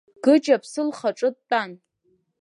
Гыџь аԥсы лхаҿы дтәан.